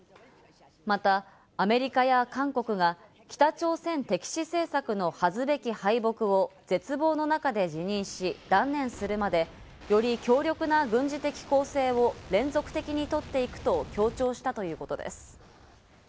また、アメリカや韓国が北朝鮮敵視政策の恥ずべき敗北を絶望の中で自認し断念するまで、より強力な軍事的攻勢を連続的にとっていくと強調したということです。